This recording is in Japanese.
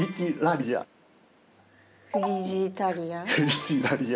フリチラリア。